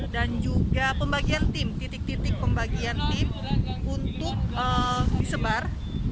dan juga pembagian tim titik titik pembagian tim untuk disebar